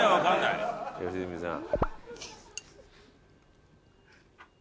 良純さん。